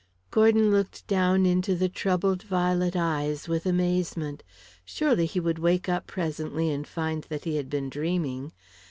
Gordon looked down into the troubled violet eyes with amazement. Surely he would wake up presently and find that he had been dreaming.